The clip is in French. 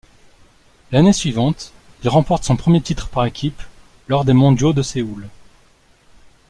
L'année suivante, il remporte son premier titre par équipe lors des mondiaux de Séoul.